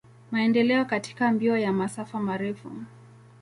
Maendeleo katika mbio ya masafa marefu.